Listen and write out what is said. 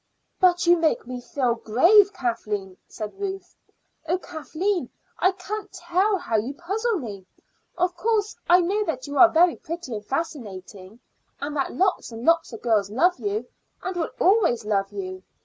"But you make me feel grave, Kathleen," said Ruth. "Oh, Kathleen, I can't tell how you puzzle me. Of course, I know that you are very pretty and fascinating, and that lots and lots of girls love you, and will always love you.